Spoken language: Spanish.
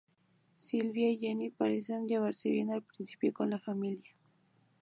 Sylvia y Jenny parecen llevarse bien al principio con la familia.